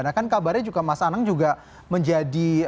nah kan kabarnya juga mas anang juga menjadi